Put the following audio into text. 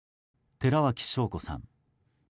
寺脇晶子さん。